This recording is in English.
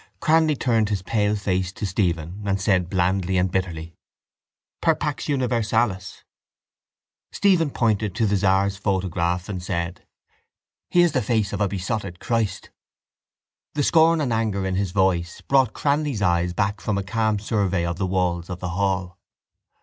Cranly turned his pale face to Stephen and said blandly and bitterly: —Per pax universalis. Stephen pointed to the Tsar's photograph and said: —He has the face of a besotted Christ. The scorn and anger in his voice brought Cranly's eyes back from a calm survey of the walls of the hall.